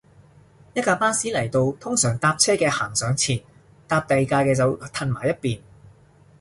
一架巴士嚟到，通常搭車嘅行上前，搭第架嘅就褪埋一邊